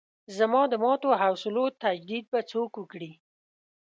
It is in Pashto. زما د ماتو حوصلو تجدید به څوک وکړي.